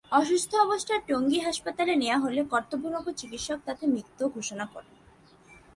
অসুস্থ অবস্থায় টঙ্গী হাসপাতালে নেওয়া হলে কর্তব্যরত চিকিৎসক তাঁকে মৃত ঘোষণা করেন।